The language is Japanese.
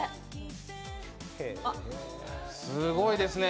すごいですね。